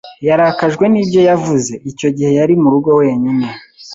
Yarakajwe n'ibyo yavuze. Icyo gihe yari mu rugo wenyine.